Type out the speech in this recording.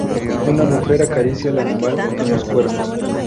Una mujer acaricia al animal en los cuernos.